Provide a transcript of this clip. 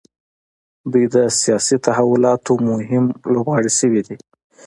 دوی د سیاسي تحولاتو مهم لوبغاړي شوي دي.